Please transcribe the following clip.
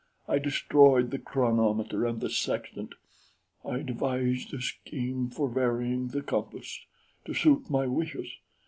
I destroyed the chronometer and the sextant. I devised a scheme for varying the compass to suit my wishes.